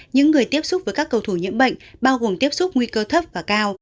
những người tiếp xúc với các cầu thủ nhiễm bệnh bao gồm tiếp xúc nguy cơ thấp và cao